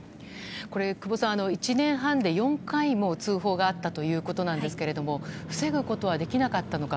久保さん、１年半で４回も通報があったということですが防ぐことはできなかったのか。